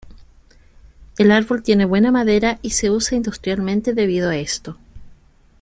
El árbol tiene buena madera y se usa industrialmente debido a esto.